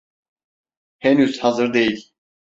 Henüz hazır değil.